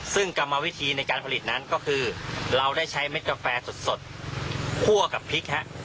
ซึ่งกรรมวิธีในการผลิตนั้นก็คือเราได้ใช้เม็ดกาแฟสดคั่วกับพริกฮะ